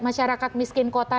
masyarakat miskin kota